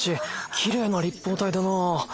きれいな立方体だな。